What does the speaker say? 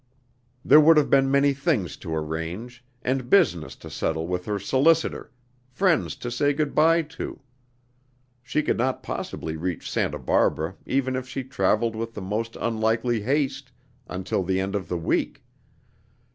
There would have been many things to arrange, and business to settle with her solicitor, friends to say good by to. She could not possibly reach Santa Barbara even if she traveled with the most unlikely haste, until the end of the week.